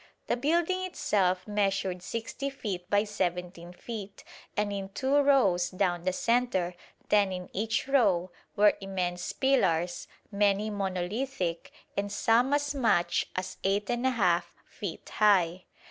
The building itself measured 60 feet by 17 feet, and in two rows down the centre, ten in each row, were immense pillars, many monolithic and some as much as 8 1/2 feet high.